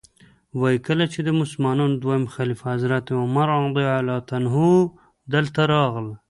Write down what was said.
وایي کله چې د مسلمانانو دویم خلیفه حضرت عمر رضی الله عنه دلته راغی.